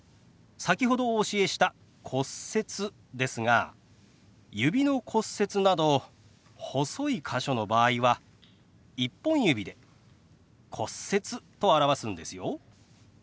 先ほどお教えした「骨折」ですが指の骨折など細い箇所の場合は１本指で「骨折」と表すんですよ。